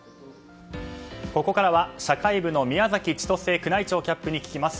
ここからは社会部の宮崎千歳宮内庁キャップに聞きます。